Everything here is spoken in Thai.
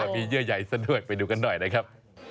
มีเยื่อใหญ่ซะด้วยไปดูกันหน่อยนะครับ